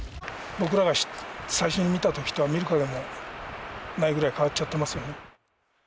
僕らが最初に見たときとは見る影もないぐらい、変わっちゃってますよね。